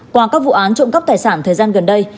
qua các vụ án trộm cắp tài sản thời gian gần đây